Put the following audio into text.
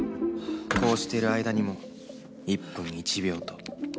こうしている間にも一分一秒と